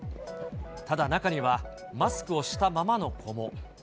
ただ中には、マスクをしたままの子も。